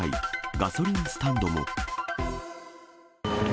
ガソリンスタンドも。